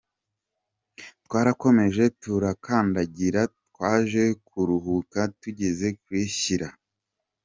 Twarakomeje turakandagira, twaje kuruhuka tugeze kuri Shyira.